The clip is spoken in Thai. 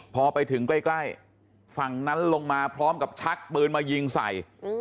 พอไปถึงใกล้ฝั่งนั้นลงมาพร้อมกับชักปืนมายิงใส่